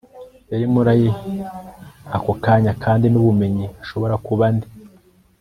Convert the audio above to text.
yari muri ako kanya. kandi n'ubumenyi, ashobora kuba nde